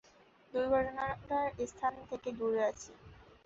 দুর্ঘটনার স্থান থেকে দূরে আছে।